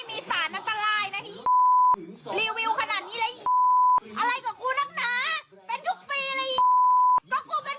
กินให้ดูเลยค่ะว่ามันปลอดภัย